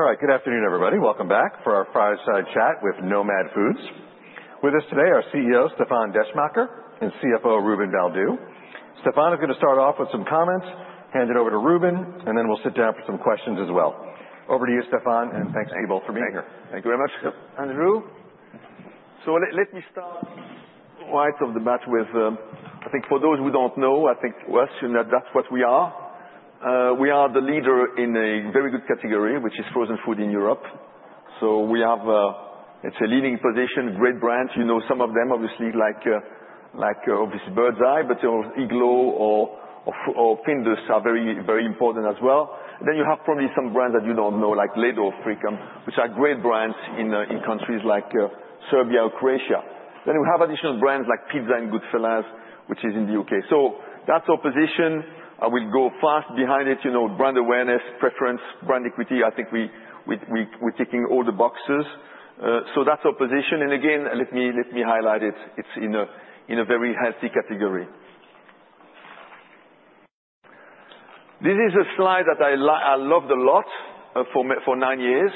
All right. Good afternoon, everybody. Welcome back for our Fireside Chat with Nomad Foods. With us today are CEO, Stéfan Descheemaeker, and CFO, Ruben Baldew. Stéfan is going to start off with some comments, hand it over to Ruben, and then we'll sit down for some questions as well. Over to you, Stéfan, and thanks to you both for being here. Thank you very much, Andrew. So let me start right off the bat with, I think for those who don't know, I think we assume that that's what we are. We are the leader in a very good category, which is frozen food in Europe. So we have, it's a leading position, great brands. You know, some of them, obviously, like, obviously, Birds Eye, but Iglo or Findus are very, very important as well. Then you have probably some brands that you don't know, like Ledo, Frikom, which are great brands in countries like, Serbia or Croatia. Then we have additional brands like pizza and Goodfella's, which is in the UK. So that's our position. I will go fast behind it, you know, brand awareness, preference, brand equity. I think we, we're ticking all the boxes. So that's our position. And again, let me highlight it. It's in a very healthy category. This is a slide that I loved a lot, for me for nine years,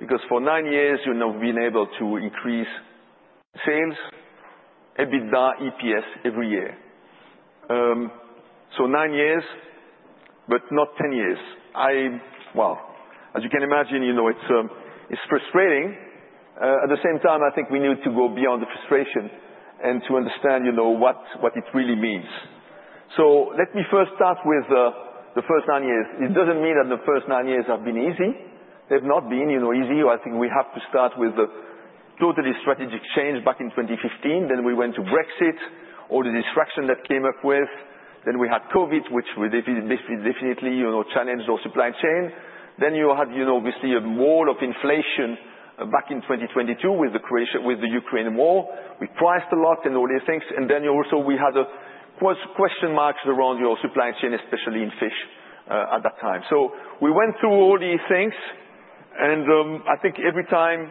because for nine years, you know, we've been able to increase sales, EBITDA, EPS every year. So nine years, but not ten years. Well, as you can imagine, you know, it's frustrating. At the same time, I think we need to go beyond the frustration and to understand, you know, what it really means. So let me first start with the first nine years. It doesn't mean that the first nine years have been easy. They've not been, you know, easy. I think we have to start with the totally strategic change back in 2015, then we went to Brexit, all the distraction that came up with. Then we had COVID, which definitely, you know, challenged our supply chain. Then you had, you know, obviously, a wall of inflation back in 2022 with the invasion, with the Ukraine war. We priced a lot and all these things, and then you also, we had, question marks around your supply chain, especially in fish, at that time. So we went through all these things, and, I think every time,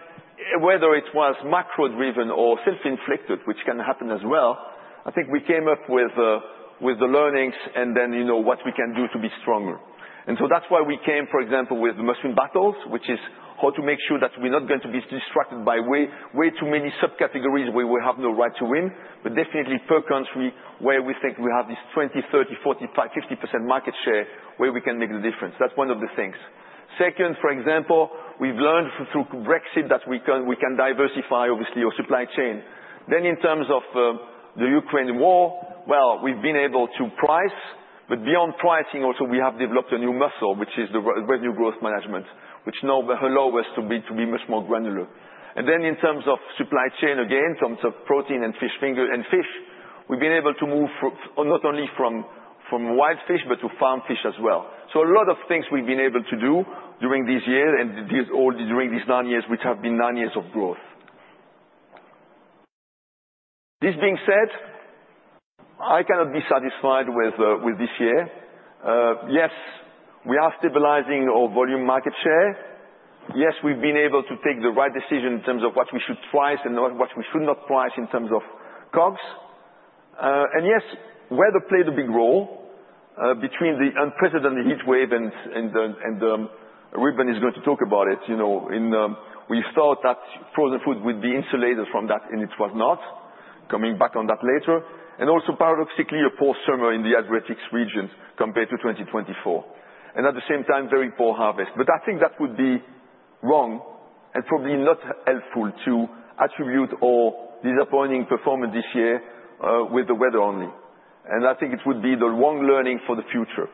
whether it was macro-driven or self-inflicted, which can happen as well, I think we came up with the learnings and then, you know, what we can do to be stronger. And so that's why we came, for example, with must-win battles, which is how to make sure that we're not going to be distracted by way, way too many subcategories where we have no right to win, but definitely per country, where we think we have this 20, 30, 40, 50% market share, where we can make the difference. That's one of the things. Second, for example, we've learned through Brexit that we can, we can diversify, obviously, our supply chain. Then in terms of the Ukraine war, well, we've been able to price, but beyond pricing, also, we have developed a new muscle, which is the revenue growth management, which now allow us to be, to be much more granular. And then in terms of supply chain, again, in terms of protein and fish finger and fish, we've been able to move from not only wild fish, but to farmed fish as well. So a lot of things we've been able to do during this year, all during these nine years, which have been nine years of growth. This being said, I cannot be satisfied with this year. Yes, we are stabilizing our volume market share. Yes, we've been able to take the right decision in terms of what we should price and what we should not price in terms of costs. And yes, weather played a big role between the unprecedented heat wave and the, Ruben is going to talk about it, you know, in. We thought that frozen food would be insulated from that, and it was not. Coming back on that later, and also, paradoxically, a poor summer in the Adriatic region compared to twenty twenty-four, and at the same time, very poor harvest, but I think that would be wrong and probably not helpful to attribute our disappointing performance this year with the weather only, and I think it would be the wrong learning for the future,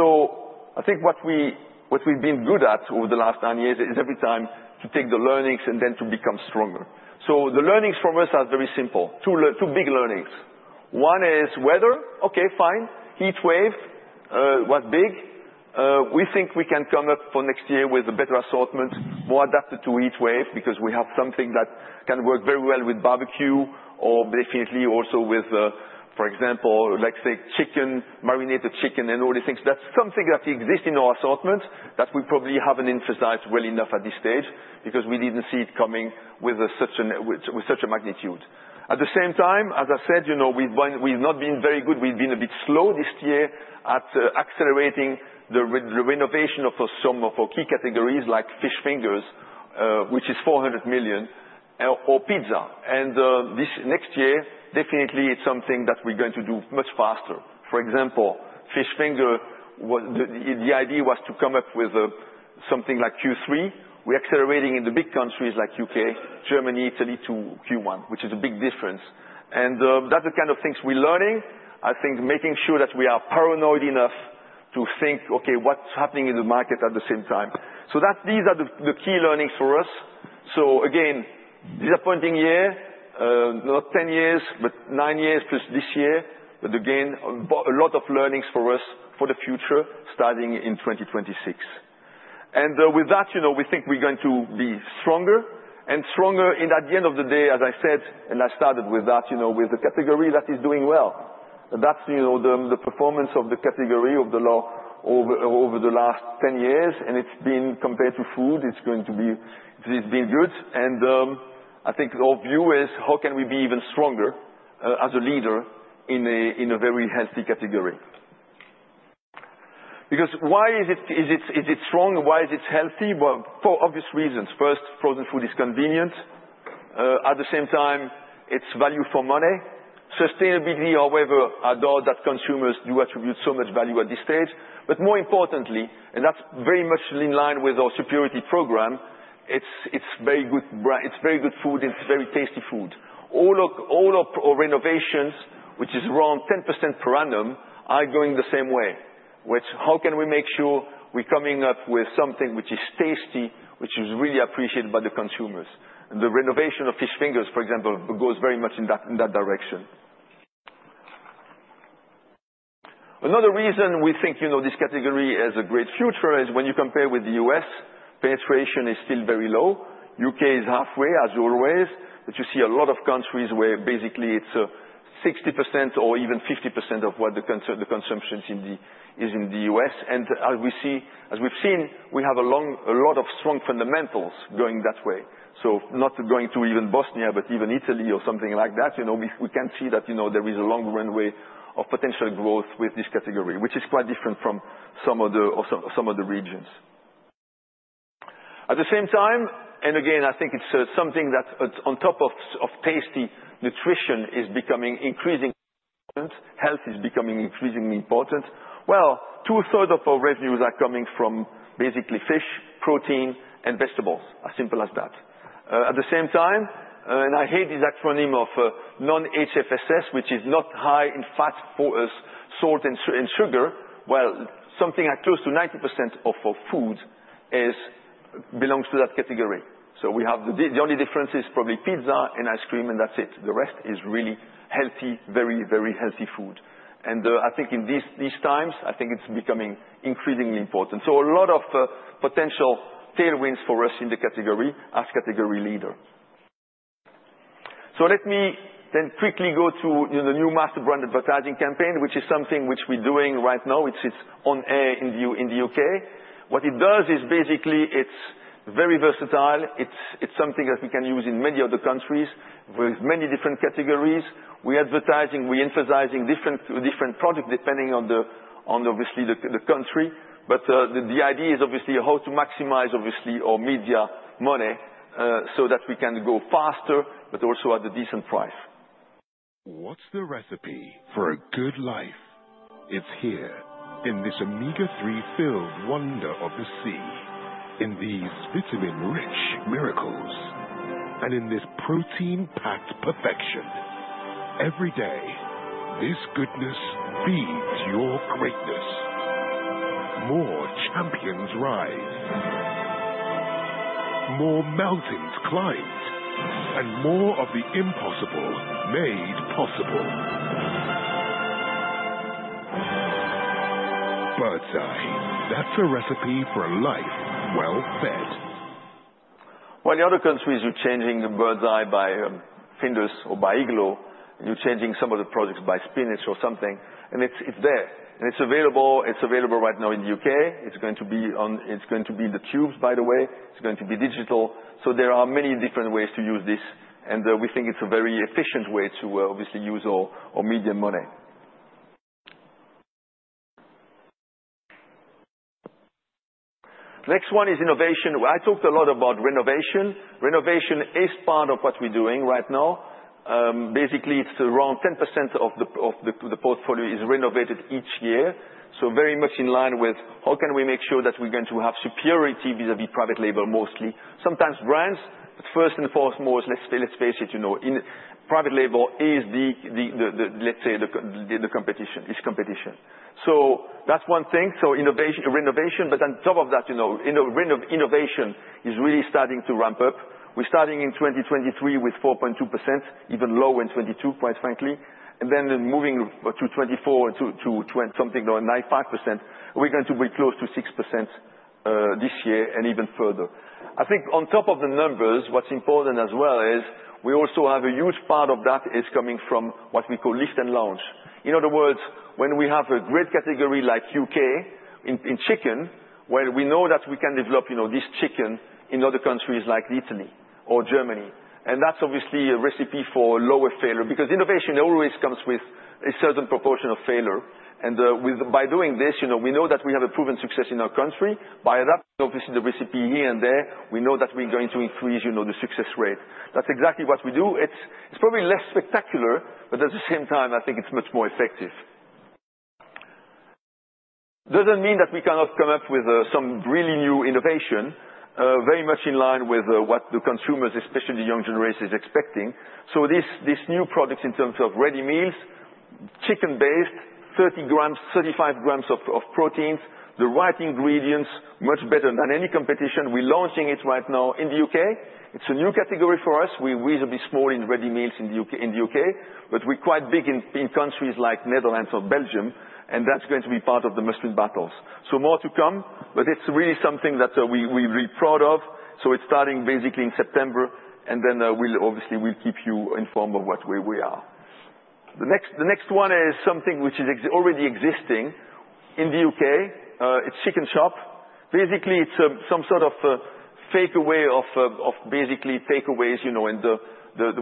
so I think what we've been good at over the last nine years is every time to take the learnings and then to become stronger, so the learnings from us are very simple. Two big learnings. One is weather, okay, fine. Heat wave was big. We think we can come up for next year with a better assortment, more adapted to heat wave, because we have something that can work very well with barbecue or definitely also with, for example, like say, chicken, marinated chicken and all these things. That's something that exists in our assortment, that we probably haven't emphasized well enough at this stage, because we didn't see it coming with such a magnitude. At the same time, as I said, you know, we've been, we've not been very good. We've been a bit slow this year at accelerating the renovation of some of our key categories, like fish fingers, which is 400 million EUR, or pizza, and this next year, definitely, it's something that we're going to do much faster. For example, fish finger, the idea was to come up with something like Q3. We're accelerating in the big countries like UK, Germany, Italy, to Q1, which is a big difference. And that's the kind of things we're learning. I think making sure that we are paranoid enough to think, okay, what's happening in the market at the same time? So that's these are the key learnings for us. So again, disappointing year, not ten years, but nine years plus this year. But again, a lot of learnings for us for the future, starting in twenty twenty-six. And with that, you know, we think we're going to be stronger, and stronger, and at the end of the day, as I said, and I started with that, you know, with the category that is doing well. That's, you know, the performance of the category overall over the last 10 years, and it's been compared to fresh food. It's going to be. It's been good. I think our view is, how can we be even stronger as a leader in a very healthy category? Because why is it strong? Why is it healthy? Well, for obvious reasons. First, frozen food is convenient. At the same time, it's value for money. Sustainability, however, I doubt that consumers do attribute so much value at this stage. But more importantly, and that's very much in line with our sustainability program, it's very good food. It's very tasty food. All of our innovations, which is around 10% per annum, are going the same way. Which, how can we make sure we're coming up with something which is tasty, which is really appreciated by the consumers? The renovation of fish fingers, for example, goes very much in that direction. Another reason we think, you know, this category has a great future is when you compare with the U.S., penetration is still very low. U.K. is halfway, as always, but you see a lot of countries where basically it's 60% or even 50% of what the consumption in the is in the U.S. And as we see, as we've seen, we have a lot of strong fundamentals going that way. So not going to even Bosnia, but even Italy or something like that, you know, we can see that, you know, there is a long runway of potential growth with this category, which is quite different from some other regions. At the same time, and again, I think it's something that's on top of tasty, nutrition is becoming increasingly important. Health is becoming increasingly important. Well, two thirds of our revenues are coming from basically fish, protein, and vegetables. As simple as that. At the same time, and I hate this acronym of non-HFSS, which is not high in fat, salt, and sugar. Well, something like close to 90% of our food belongs to that category. The only difference is probably pizza and ice cream, and that's it. The rest is really healthy, very, very healthy food, and I think in these times, I think it's becoming increasingly important, so a lot of potential tailwinds for us in the category, as category leader, so let me then quickly go to the new master brand advertising campaign, which is something which we're doing right now. It's on air in the UK. What it does is basically, it's very versatile. It's something that we can use in many other countries with many different categories. We're advertising, we're emphasizing different product, depending on obviously the country. But the idea is obviously how to maximize our media money, so that we can go faster, but also at a decent price. What's the recipe for a good life? It's here, in this omega-3 filled wonder of the sea, in these vitamin-rich miracles, and in this protein-packed perfection. Every day, this goodness feeds your greatness. More champions rise, more mountains climbed, and more of the impossible made possible. Birds Eye, that's a recipe for a life well fed. In the other countries, you're changing the Birds Eye by Findus or by Iglo. You're changing some of the products by spinach or something, and it's there. It's available right now in the UK. It's going to be on. It's going to be in the tubes, by the way. It's going to be digital. There are many different ways to use this, and we think it's a very efficient way to obviously use our media money. Next one is innovation. I talked a lot about renovation. Renovation is part of what we're doing right now. Basically, it's around 10% of the portfolio is renovated each year. So very much in line with how can we make sure that we're going to have superiority vis-à-vis private label mostly. Sometimes brands, but first and foremost, let's face it, you know, in private label is the, let's say, the competition. It's competition. So that's one thing, so innovation, renovation. But on top of that, you know, innovation is really starting to ramp up. We're starting in 2023 with 4.2%, even lower in 2022, quite frankly, and then moving to 2024 to something like 5%. We're going to be close to 6% this year and even further. I think on top of the numbers, what's important as well is, we also have a huge part of that is coming from what we call lift and launch. In other words, when we have a great category like UK in chicken, where we know that we can develop, you know, this chicken in other countries like Italy or Germany. And that's obviously a recipe for lower failure, because innovation always comes with a certain proportion of failure. And, by doing this, you know, we know that we have a proven success in our country. By adapting, obviously, the recipe here and there, we know that we're going to increase, you know, the success rate. That's exactly what we do. It's probably less spectacular, but at the same time, I think it's much more effective. Doesn't mean that we cannot come up with some really new innovation very much in line with what the consumers, especially the young generation, is expecting. This new product in terms of ready meals, chicken-based, 30 grams, 35 grams of proteins, the right ingredients, much better than any competition. We're launching it right now in the UK. It's a new category for us. We're reasonably small in ready meals in the UK, but we're quite big in countries like Netherlands or Belgium, and that's going to be part of the mainstream battles. More to come, but it's really something that we’re really proud of. It's starting basically in September, and then we’ll obviously keep you informed of what, where we are. The next one is something which is already existing in the UK. It's Chicken Shop. Basically, it's some sort of fakeaway of basically takeaways, you know, and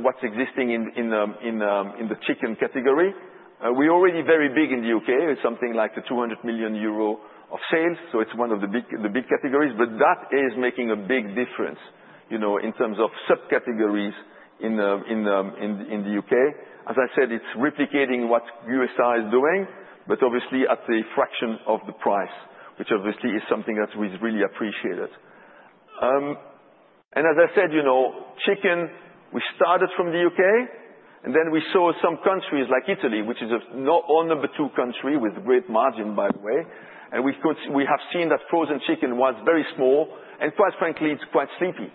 what's existing in the chicken category. We're already very big in the UK. It's something like 200 million euro of sales, so it's one of the big categories. But that is making a big difference, you know, in terms of subcategories in the UK. As I said, it's replicating what USA is doing, but obviously at a fraction of the price, which obviously is something that we've really appreciated, and as I said, you know, chicken, we started from the UK, and then we saw some countries like Italy, which is now our number two country with great margin, by the way. We could. We have seen that frozen chicken was very small, and quite frankly, it's quite sleepy.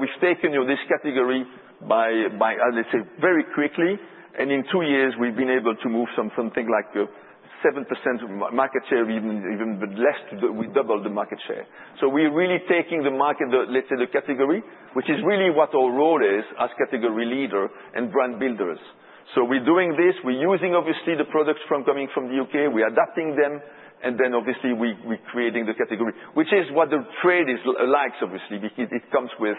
We've taken, you know, this category by, I would say, very quickly, and in two years, we've been able to move something like 7% of market share, even with less, but we doubled the market share. We're really taking the market, the, let's say, the category, which is really what our role is as category leader and brand builders. We're doing this. We're using, obviously, the products coming from the U.K. We're adapting them, and then obviously, we're creating the category, which is what the trade likes, obviously, because it comes with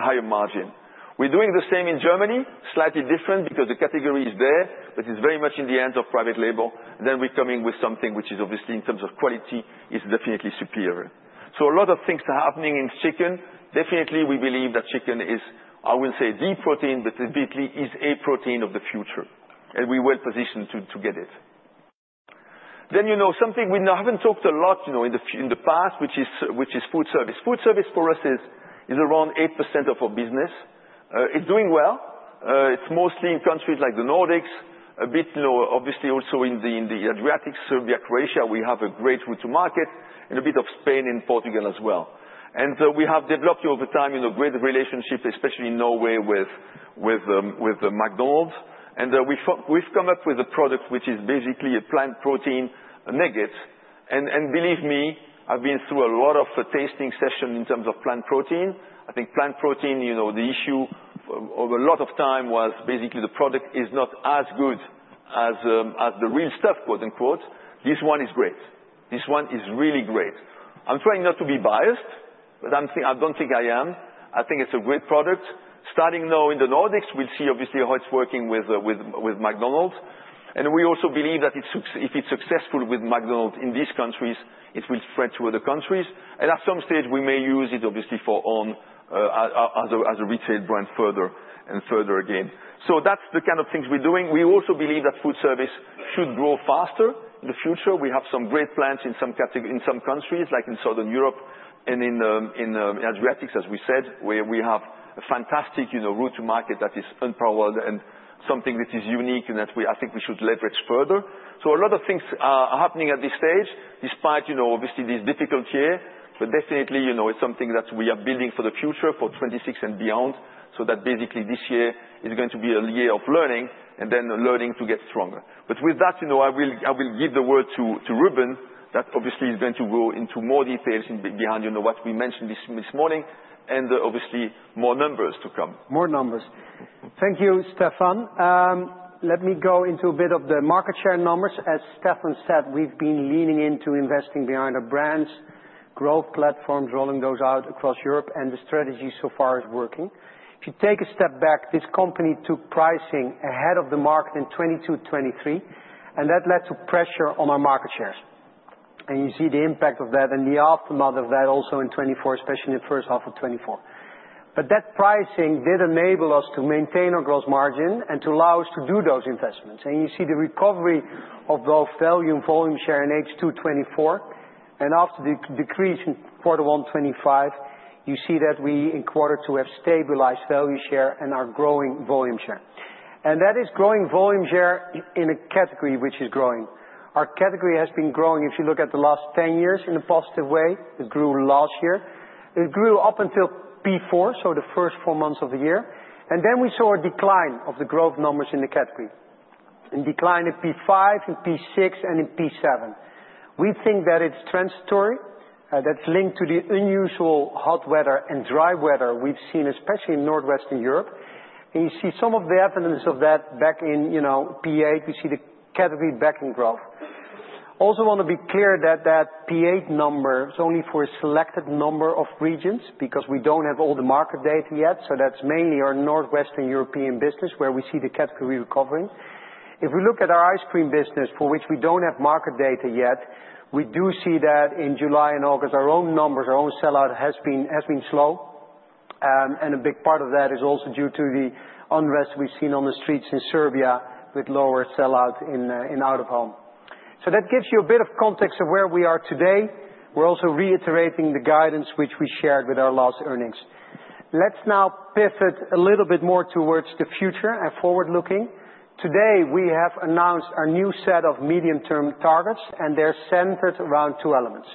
higher margin. We're doing the same in Germany, slightly different because the category is there, but it's very much in the hands of private label. Then we're coming with something which is obviously, in terms of quality, is definitely superior. So a lot of things are happening in chicken. Definitely, we believe that chicken is, I will say, the protein, but basically is a protein of the future, and we're well positioned to get it. Then, you know, something we haven't talked a lot, you know, in the past, which is food service. Food service for us is around 8% of our business. It's doing well. It's mostly in countries like the Nordics, a bit lower, obviously, also in the Adriatic, Serbia, Croatia. We have a great route to market, and a bit of Spain and Portugal as well. And we have developed over time, you know, great relationships, especially in Norway, with McDonald's. We've come up with a product which is basically Plant Protein Nuggets. And believe me, I've been through a lot of tasting sessions in terms of plant protein. I think plant protein, you know, the issue over a lot of time was basically the product is not as good as the "real stuff," quote, unquote. This one is great. This one is really great. I'm trying not to be biased, but I don't think I am. I think it's a great product. Starting now in the Nordics, we'll see obviously how it's working with McDonald's. And we also believe that if it's successful with McDonald's in these countries, it will spread to other countries. At some stage, we may use it obviously for own as a retail brand, further and further again. That's the kind of things we're doing. We also believe that food service should grow faster in the future. We have some great plans in some countries, like in Southern Europe and in Adriatic, as we said, where we have a fantastic, you know, route to market that is unparalleled and something that is unique and that we, I think we should leverage further. A lot of things are happening at this stage, despite, you know, obviously, this difficult year. But definitely, you know, it's something that we are building for the future, for 2026 and beyond, so that basically this year is going to be a year of learning and then learning to get stronger. But with that, you know, I will give the word to Ruben, that obviously is going to go into more details behind, you know, what we mentioned this morning, and obviously, more numbers to come. More numbers. Thank you, Stéfan. Let me go into a bit of the market share numbers. As Stéfan said, we've been leaning into investing behind our brands, growth platforms, rolling those out across Europe, and the strategy so far is working. If you take a step back, this company took pricing ahead of the market in 2022, 2023, and that led to pressure on our market shares. And you see the impact of that and the aftermath of that also in 2024, especially in the first half of 2024. But that pricing did enable us to maintain our gross margin and to allow us to do those investments. And you see the recovery of both value and volume share in H2 2024, and after the decrease in quarter one 2025, you see that we, in quarter two, have stabilized value share and are growing volume share. That is growing volume share in a category which is growing. Our category has been growing, if you look at the last ten years, in a positive way. It grew last year. It grew up until P4, so the first four months of the year, and then we saw a decline of the growth numbers in the category, and decline in P5, in P6, and in P7. We think that it's transitory, that's linked to the unusual hot weather and dry weather we've seen, especially in Northwestern Europe. You see some of the evidence of that back in, you know, P8, you see the category back in growth. Also want to be clear that that P8 number is only for a selected number of regions, because we don't have all the market data yet, so that's mainly our Northwestern European business, where we see the category recovering. If we look at our ice cream business, for which we don't have market data yet, we do see that in July and August, our own numbers, our own sellout has been slow. And a big part of that is also due to the unrest we've seen on the streets in Serbia, with lower sellout in out-of-home. So that gives you a bit of context of where we are today. We're also reiterating the guidance which we shared with our last earnings. Let's now pivot a little bit more towards the future and forward-looking. Today, we have announced our new set of medium-term targets, and they're centered around two elements.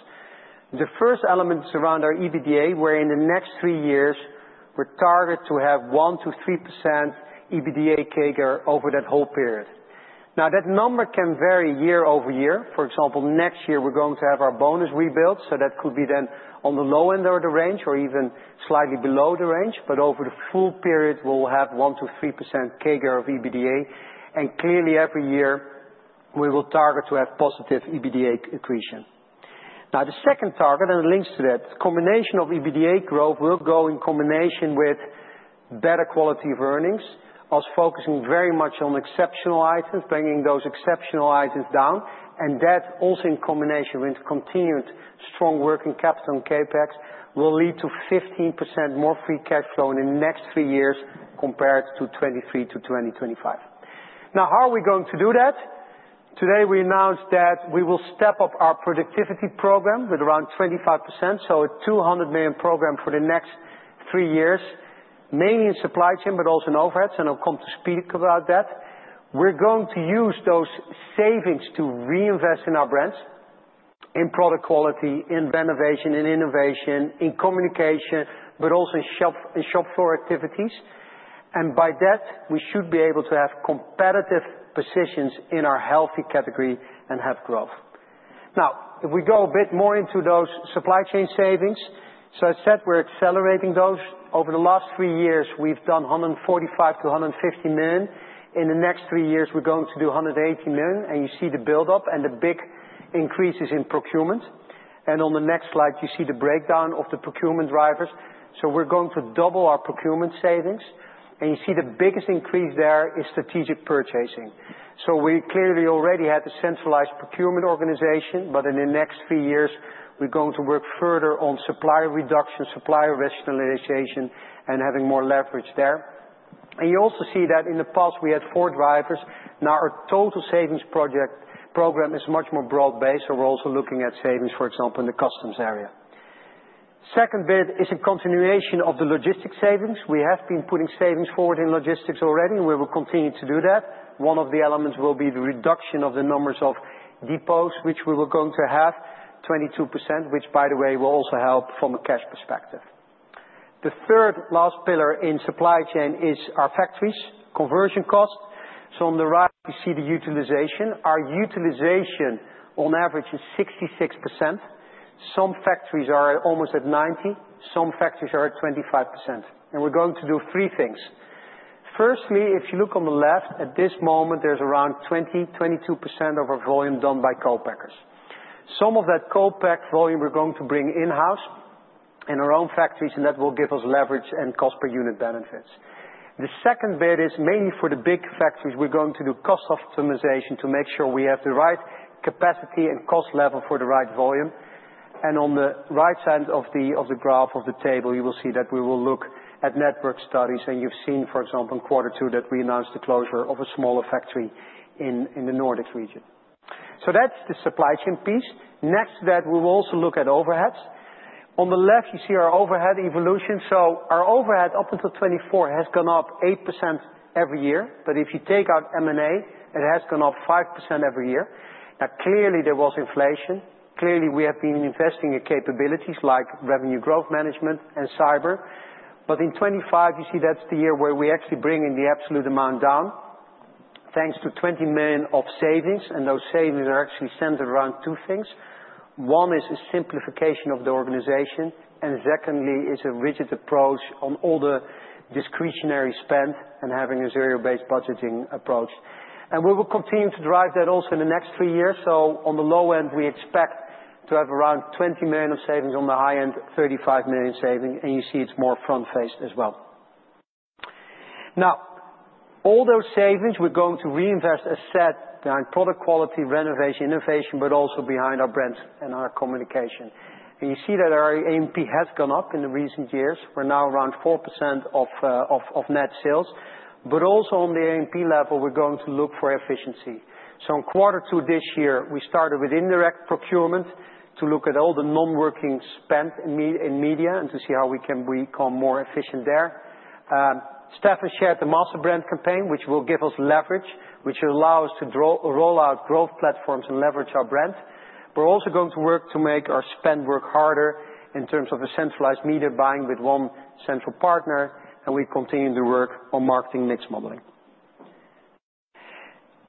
The first element is around our EBITDA, where in the next three years, we're targeted to have 1%-3% EBITDA CAGR over that whole period. Now, that number can vary year over year. For example, next year we're going to have our bonus rebuilt, so that could be then on the low end of the range or even slightly below the range, but over the full period, we'll have 1% to 3% CAGR of EBITDA, and clearly, every year we will target to have positive EBITDA accretion. Now, the second target, and it links to that, combination of EBITDA growth will go in combination with better quality of earnings, us focusing very much on exceptional items, bringing those exceptional items down, and that also in combination with continued strong working capital and CapEx, will lead to 15% more free cash flow in the next three years compared to 2023 to 2025. Now, how are we going to do that? Today, we announced that we will step up our productivity program with around 25%, so a 200 million program for the next three years, mainly in supply chain, but also in overheads, and I'll come to speak about that. We're going to use those savings to reinvest in our brands, in product quality, in renovation, in innovation, in communication, but also in shop, in shop floor activities. And by that, we should be able to have competitive positions in our healthy category and have growth. Now, if we go a bit more into those supply chain savings. So as I said, we're accelerating those. Over the last three years, we've done 145-150 million. In the next three years, we're going to do 180 million, and you see the buildup and the big increases in procurement. And on the next slide, you see the breakdown of the procurement drivers. So we're going to double our procurement savings, and you see the biggest increase there is strategic purchasing. So we clearly already had a centralized procurement organization, but in the next three years, we're going to work further on supplier reduction, supplier rationalization, and having more leverage there. And you also see that in the past, we had four drivers. Now, our total savings project, program is much more broad-based, so we're also looking at savings, for example, in the customs area. Second bit is a continuation of the logistics savings. We have been putting savings forward in logistics already, and we will continue to do that. One of the elements will be the reduction of the numbers of depots, which we were going to have 22%, which, by the way, will also help from a cash perspective. The third last pillar in supply chain is our factories, conversion cost. So on the right, you see the utilization. Our utilization, on average, is 66%. Some factories are at almost 90, some factories are at 25%, and we're going to do three things. Firstly, if you look on the left, at this moment, there's around 20 to 22% of our volume done by co-packers. Some of that co-pack volume we're going to bring in-house in our own factories, and that will give us leverage and cost per unit benefits. The second bit is mainly for the big factories. We're going to do cost optimization to make sure we have the right capacity and cost level for the right volume, and on the right side of the graph of the table, you will see that we will look at network studies, and you've seen, for example, in quarter two, that we announced the closure of a smaller factory in the Nordic region, so that's the supply chain piece. Next to that, we will also look at overheads, on the left, you see our overhead evolution, so our overhead, up until 2024, has gone up 8% every year, but if you take out M&A, it has gone up 5% every year. Now, clearly, there was inflation. Clearly, we have been investing in capabilities like revenue growth management, and cyber. But in 2025, you see that's the year where we're actually bringing the absolute amount down, thanks to 20 million of savings, and those savings are actually centered around two things. One is the simplification of the organization, and secondly, is a rigid approach on all the discretionary spend and having a zero-based budgeting approach, and we will continue to drive that also in the next three years. So on the low end, we expect to have around 20 million of savings, on the high end, 35 million savings, and you see it's more front-loaded as well. Now, all those savings, we're going to reinvest, as said, behind product quality, renovation, innovation, but also behind our brands and our communication. You see that our A&P has gone up in the recent years. We're now around 4% of net sales, but also on the A&P level, we're going to look for efficiency. In quarter two this year, we started with indirect procurement to look at all the non-working spend in media and to see how we can become more efficient there. Stéfan has shared the master brand campaign, which will give us leverage, which will allow us to roll out growth platforms and leverage our brand. We're also going to work to make our spend work harder in terms of a centralized media buying with one central partner, and we continue to work on marketing mix modeling.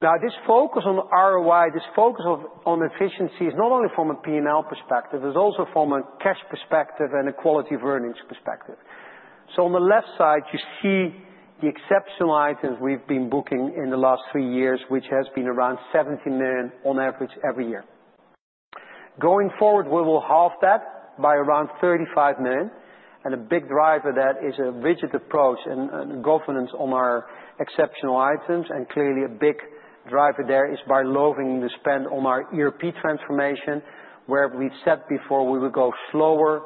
Now, this focus on ROI, this focus of, on efficiency is not only from a P&L perspective, it's also from a cash perspective and a quality of earnings perspective. So on the left side, you see the exceptional items we've been booking in the last three years, which has been around 70 million EUR on average every year. Going forward, we will halve that by around 35 million EUR, and a big driver of that is a rigid approach and governance on our exceptional items, and clearly a big driver there is by lowering the spend on our ERP transformation, where we've said before we will go slower,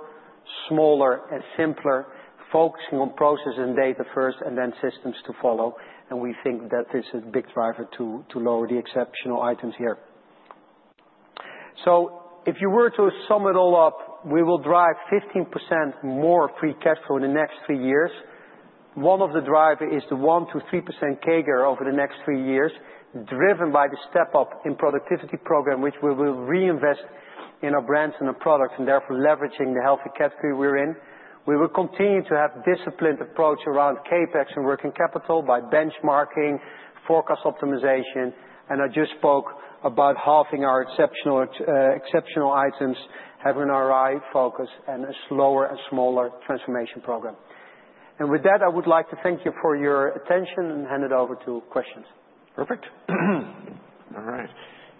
smaller, and simpler, focusing on process and data first, and then systems to follow. And we think that this is a big driver to lower the exceptional items here. If you were to sum it all up, we will drive 15% more free cash flow in the next three years. One of the drivers is the one to 3% CAGR over the next three years, driven by the step up in productivity program, which we will reinvest in our brands and our products, and therefore leveraging the healthy category we're in. We will continue to have a disciplined approach around CapEx and working capital by benchmarking, forecast optimization, and I just spoke about halving our exceptional items, having ROI focus, and a slower and smaller transformation program. With that, I would like to thank you for your attention and hand it over to questions. Perfect. All right.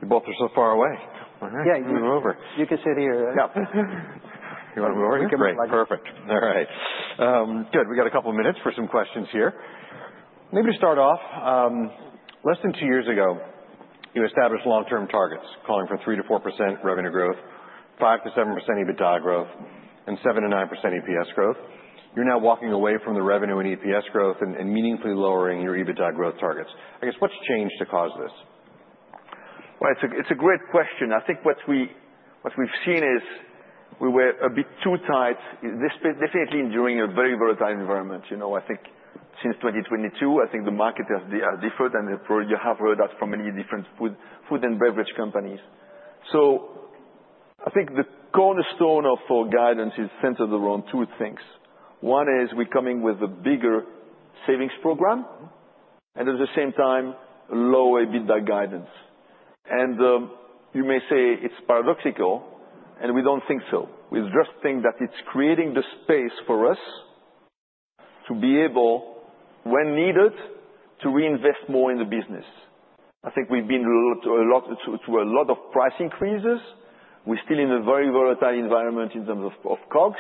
You both are so far away. All right. Yeah. Move over. You can sit here, right? Yeah. You want to move over? Great, perfect. All right. Good. We got a couple of minutes for some questions here. Maybe start off, less than two years ago, you established long-term targets, calling for three to 4% revenue growth, five to 7% EBITDA growth, and seven to 9% EPS growth. You're now walking away from the revenue and EPS growth and meaningfully lowering your EBITDA growth targets. I guess, what's changed to cause this? It's a great question. I think what we've seen is, we were a bit too tight, definitely during a very volatile environment. You know, I think since twenty twenty-two, I think the market has differed, and you have heard that from many different food and beverage companies. So I think the cornerstone of our guidance is centered around two things. One is we're coming with a bigger savings program, and at the same time, lower EBITDA guidance. You may say it's paradoxical, and we don't think so. We just think that it's creating the space for us to be able, when needed, to reinvest more in the business. I think we've been through a lot of price increases. We're still in a very volatile environment in terms of COGS,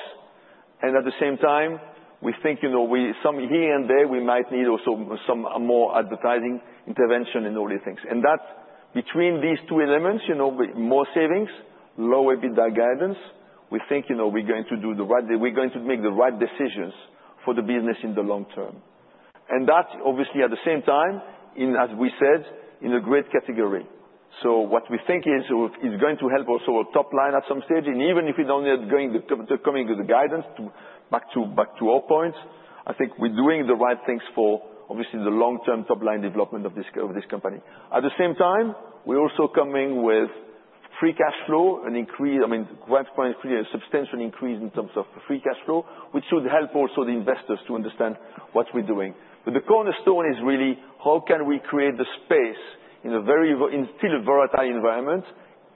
and at the same time, we think, you know, we see some here and there, we might need also some more advertising intervention and all these things. And that's between these two elements, you know, with more savings, lower EBITDA guidance, we think, you know, we're going to do the right thing. We're going to make the right decisions for the business in the long term. And that, obviously, at the same time, as we said, in a great category. So what we think is going to help also our top line at some stage, and even if we don't meet the guidance, to go back to all points, I think we're doing the right things for, obviously, the long-term top line development of this company. At the same time, we're also coming with free cash flow, an increase, I mean, quite a substantial increase in terms of free cash flow, which should help also the investors to understand what we're doing. But the cornerstone is really how can we create the space in a very volatile environment,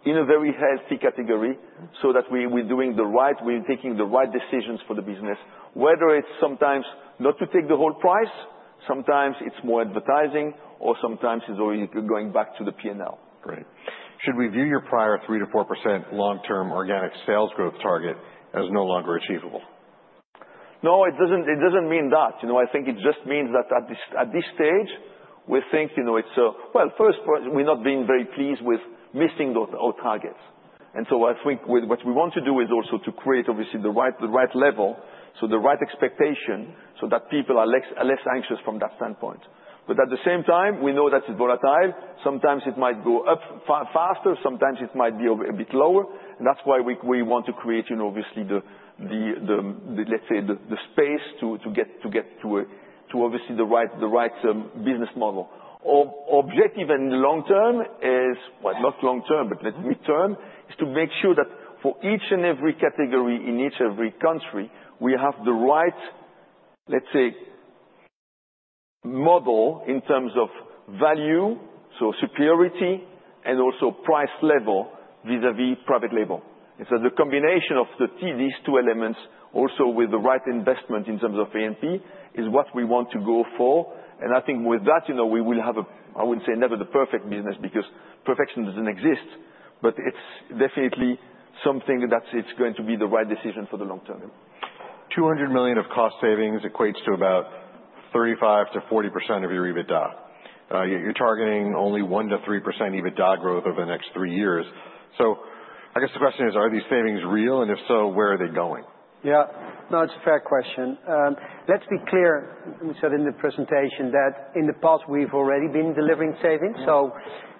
in a very healthy category, so that we, we're doing the right, we're taking the right decisions for the business, whether it's sometimes not to take the whole price, sometimes it's more advertising, or sometimes it's only going back to the P&L. Great. Should we view your prior three to 4% long-term organic sales growth target as no longer achievable? No, it doesn't, it doesn't mean that. You know, I think it just means that at this stage, we think, you know, it's. Well, first, we're not being very pleased with missing our targets. And so I think what we want to do is also to create, obviously, the right level, so the right expectation, so that people are less anxious from that standpoint. But at the same time, we know that it's volatile. Sometimes it might go up faster, sometimes it might be a bit lower, and that's why we want to create, you know, obviously, let's say, the space to get to the right business model. Objective in the long term is, well, not long term, but let's mid-term, is to make sure that for each and every category in each and every country, we have the right, let's say, model in terms of value, so superiority and also price level vis-à-vis private label. And so the combination of these two elements, also with the right investment in terms of A&P, is what we want to go for. And I think with that, you know, we will have a, I wouldn't say never the perfect business, because perfection doesn't exist, but it's definitely something that's, it's going to be the right decision for the long term. 200 million EUR of cost savings equates to about 35 to 40% of your EBITDA. You're targeting only one to 3% EBITDA growth over the next three years. I guess the question is: Are these savings real? And if so, where are they going? Yeah. No, it's a fair question. Let's be clear, we said in the presentation, that in the past, we've already been delivering savings. So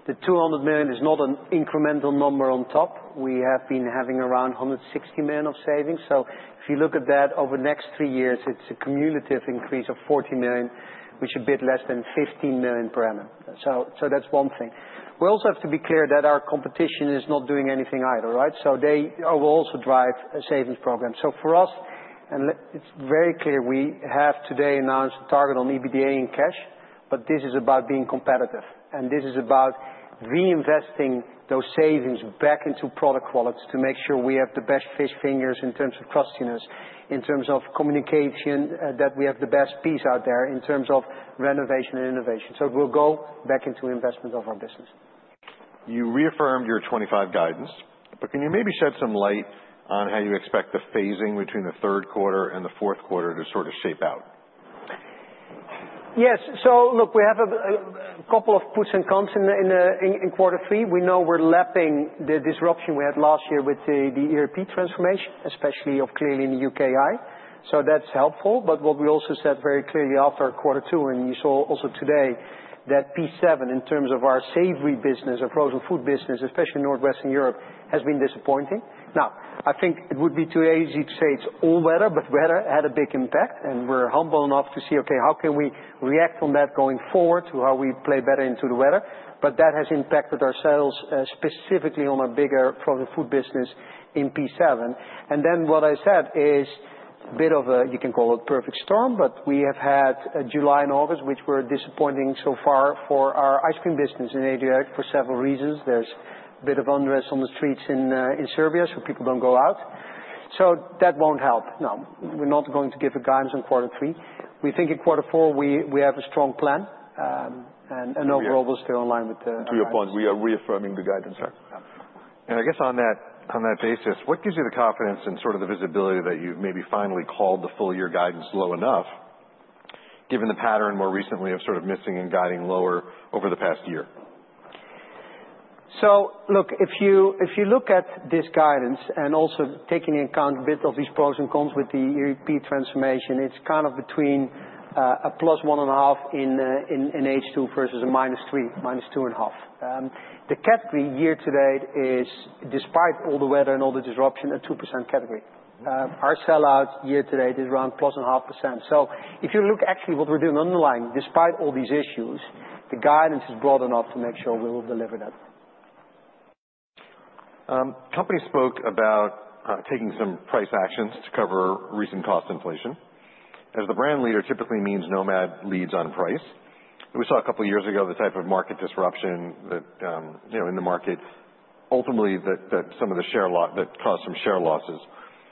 the 200 million EUR is not an incremental number on top. We have been having around 160 million EUR of savings. So if you look at that over the next three years, it's a cumulative increase of 40 million EUR, which is a bit less than 15 million EUR per annum. So that's one thing. We also have to be clear that our competition is not doing anything either, right? So they will also drive a savings program. So for us, it's very clear. We have today announced a target on EBITDA and cash, but this is about being competitive, and this is about reinvesting those savings back into product quality to make sure we have the best fish fingers in terms of crustiness, in terms of communication, that we have the best products out there in terms of renovation and innovation. So it will go back into investment in our business. You reaffirmed your 2025 guidance, but can you maybe shed some light on how you expect the phasing between the third quarter and the fourth quarter to sort of shape out? Yes. So look, we have a couple of pros and cons in quarter three. We know we're lapping the disruption we had last year with the ERP transformation, especially, clearly, in the UKI. So that's helpful, but what we also said very clearly after our quarter two, and you saw also today, that P7, in terms of our savory business, our frozen food business, especially in Northwestern Europe, has been disappointing. Now, I think it would be too easy to say it's all weather, but weather had a big impact, and we're humble enough to see, okay, how can we react on that going forward to how we play better into the weather? But that has impacted our sales, specifically on a bigger frozen food business in P7. And then what I said is bit of a, you can call it perfect storm, but we have had a July and August, which were disappointing so far for our ice cream business in adriatic for several reasons. There's a bit of unrest on the streets in Serbia, so people don't go out. So that won't help. No, we're not going to give a guidance on quarter three. We think in quarter four we have a strong plan, and overall, we're still in line with the- To your point, we are reaffirming the guidance. I guess on that, on that basis, what gives you the confidence and sort of the visibility that you've maybe finally called the full year guidance low enough, given the pattern more recently of sort of missing and guiding lower over the past year? So look, if you look at this guidance, and also taking into account a bit of these pros and cons with the ERP transformation, it's kind of between a plus 1.5 in H2 versus a minus 3, minus two and a half. The category year to date is, despite all the weather and all the disruption, a 2% category. Our sellout year to date is around plus 0.5%. So if you look actually what we're doing underlying, despite all these issues, the guidance is broad enough to make sure we will deliver that. Company spoke about taking some price actions to cover recent cost inflation. As the brand leader typically means Nomad leads on price. We saw a couple of years ago the type of market disruption that, you know, in the markets, ultimately, that caused some share losses.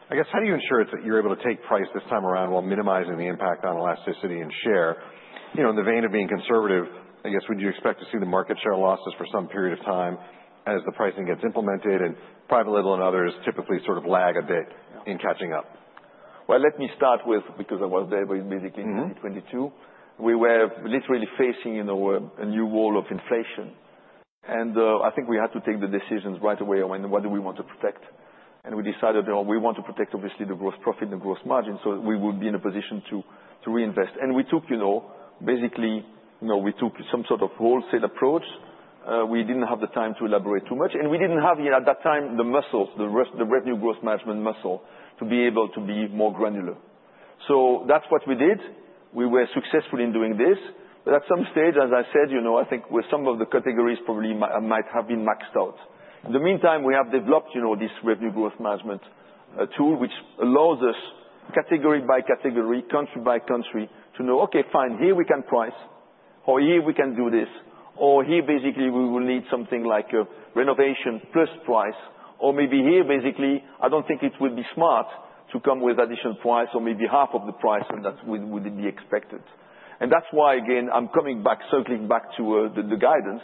I guess, how do you ensure it's that you're able to take price this time around while minimizing the impact on elasticity and share? You know, in the vein of being conservative, I guess, would you expect to see the market share losses for some period of time as the pricing gets implemented and Private Label and others typically sort of lag a bit in catching up? Let me start with, because I was there, but basically in 2022. We were literally facing, you know, a new world of inflation. And I think we had to take the decisions right away on what do we want to protect. And we decided, you know, we want to protect, obviously, the gross profit and the growth margin, so we would be in a position to reinvest. And we took, you know, basically, you know, we took some sort of wholesale approach. We didn't have the time to elaborate too much, and we didn't have yet at that time, the muscles, the revenue growth management muscle, to be able to be more granular. So that's what we did. We were successful in doing this, but at some stage, as I said, you know, I think with some of the categories probably might have been maxed out. In the meantime, we have developed, you know, this revenue growth management tool, which allows us, category by category, country by country, to know, okay, fine, here we can price, or here we can do this, or here, basically, we will need something like a renovation plus price, or maybe here, basically, I don't think it would be smart to come with additional price or maybe half of the price, and that would be expected, and that's why, again, I'm coming back, circling back to the guidance.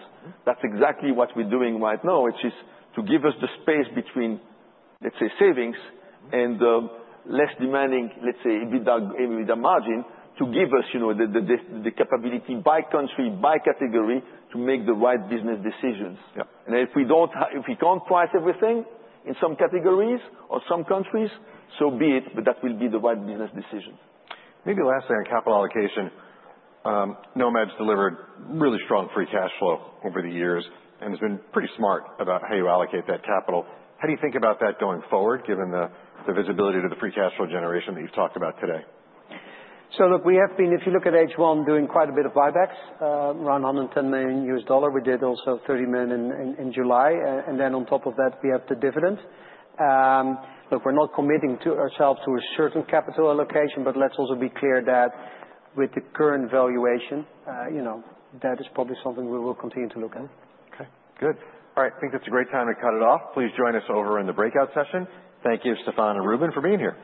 That's exactly what we're doing right now, which is to give us the space between, let's say, savings and less demanding, let's say, with the margin, to give us, you know, the capability by country, by category, to make the right business decisions. If we can't price everything in some categories or some countries, so be it, but that will be the right business decision. Maybe lastly, on capital allocation, Nomad's delivered really strong free cash flow over the years and has been pretty smart about how you allocate that capital. How do you think about that going forward, given the visibility to the free cash flow generation that you've talked about today? Look, we have been, if you look at H1, doing quite a bit of buybacks around $110 million. We did also $30 million in July, and then on top of that, we have the dividend. Look, we're not committing to ourselves to a certain capital allocation, but let's also be clear that with the current valuation, you know, that is probably something we will continue to look at. Okay, good. All right, I think that's a great time to cut it off. Please join us over in the breakout session. Thank you, Stéfan and Ruben, for being here.